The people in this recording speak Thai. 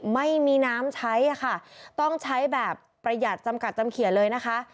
ไม่มีน้ำใช้ค่ะต้องใช้แบบประหยัดจำกัดจำเขียนเลยนะคะ